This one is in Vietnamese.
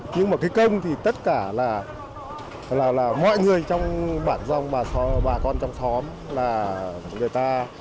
nhưng mà cái công thì tất cả là mọi người trong bản dòng và bà con trong xóm là người ta